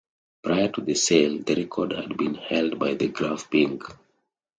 Prior to the sale, the record had been held by the Graff Pink.